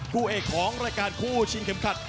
คู่เอกของรายการคู่ชิงเข็มขัด